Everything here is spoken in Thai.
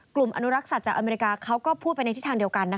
กลุ่มอนุรักษาจากอเมริกาเขาก็พูดไปในที่ทางเดียวกันนะคะ